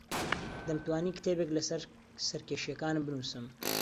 دەمتوانی کتێبێک لەسەر سەرکێشییەکانم بنووسم.